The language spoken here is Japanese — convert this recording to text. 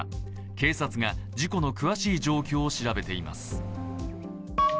警察が事故の詳しい状況を調べています。